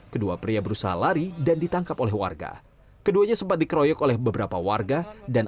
kedua pria berusaha lari dan ditangkap oleh warga keduanya sempat dikeroyok oleh beberapa warga dan